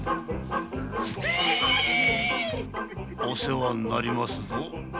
お世話になりますぞ。